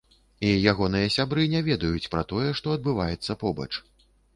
І ягоныя сябры не ведаюць пра тое, што адбываецца побач.